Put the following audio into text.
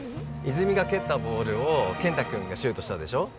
泉実が蹴ったボールを健太君がシュートしたでしょ？